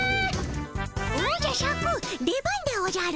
おじゃシャク出番でおじゃる。